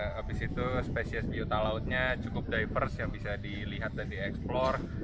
habis itu spesies biota lautnya cukup diverse yang bisa dilihat dan dieksplor